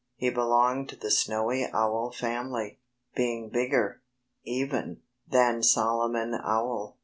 He belonged to the Snowy Owl family, being bigger, even, than Solomon Owl.